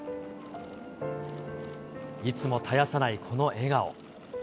いつも絶やさないこの笑顔。